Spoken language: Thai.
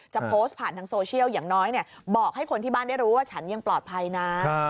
จะโพสต์ผ่านทางโซเชียลอย่างน้อยบอกให้คนที่บ้านได้รู้ว่าฉันยังปลอดภัยนะ